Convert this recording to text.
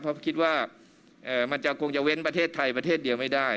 เพราะคิดว่ามันจะคงจะเว้นประเทศไทยประเทศเดียวไม่ได้